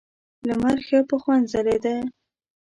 لمر ښه په خوند ځلېده.